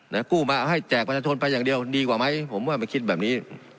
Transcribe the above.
กู้มาเอาให้แจกประชาชนไปอย่างเดียวดีกว่าไหมผมว่าไม่คิดแบบนี้